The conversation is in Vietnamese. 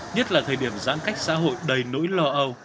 nhất là thời điểm giãn cách xã hội đầy nỗi lo âu